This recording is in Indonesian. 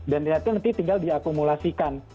dan itu nanti tinggal diakumulasikan